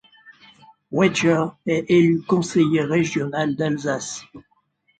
Waechter est élu conseiller régional d'Alsace.